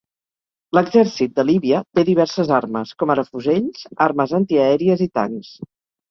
L'Exèrcit de Líbia té diverses armes, com ara fusells, armes antiaèries i tancs.